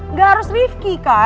nggak harus rifqi kan